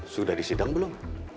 sudah disidang belum